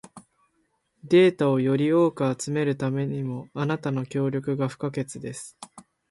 データをより多く集めるためにも、あなたの協力が不可欠です。